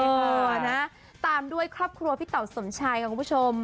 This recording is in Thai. เออนะตามด้วยครอบครัวพี่เต๋าสมชัยค่ะคุณผู้ชม